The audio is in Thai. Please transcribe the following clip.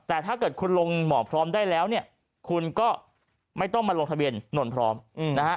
แต่ถ้าเกิดคุณลงหมอพร้อมได้แล้วเนี่ยคุณก็ไม่ต้องมาลงทะเบียนนพร้อมนะฮะ